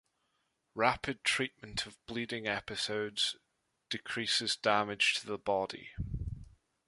Rapid treatment of bleeding episodes decreases damage to the body.